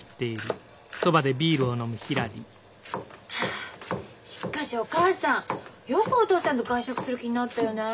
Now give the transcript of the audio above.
ハアしっかしお母さんよくお父さんと外食する気になったよねえ。